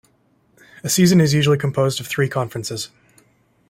A season is usually composed of three conferences.